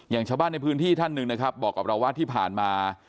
อย่างชาวบ้านในพื้นที่ท่านหนึ่งนะครับบอกกับเราว่าที่ผ่านมา